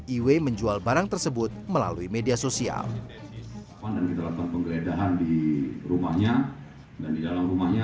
iwe menjual barang tersebut melalui media sosial